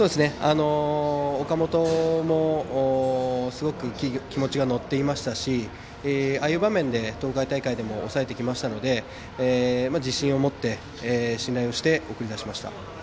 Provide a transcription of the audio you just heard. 岡本もすごく気持ちが乗っていましたしああしう場面で、東海大会でも抑えてきましたので自信を持って信頼して送り出しました。